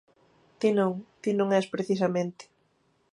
Ti non, ti non es precisamente.